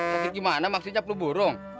sakit gimana maksudnya peluk burung